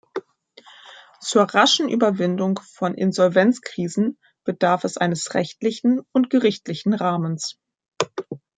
Zur raschen Überwindung von Insolvenzkrisen bedarf es eines rechtlichen und gerichtlichen Rahmens.